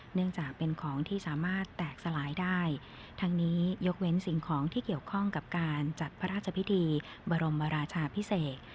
เนื่องจากเป็นของที่สามารถแตกสลายได้ทั้งนี้ยกเว้นสิ่งของที่เกี่ยวข้องกับการจัดพระราชพิธีบรมราชาพิเศษ